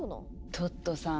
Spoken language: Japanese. トットさん